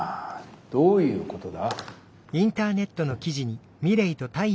どういうことだ？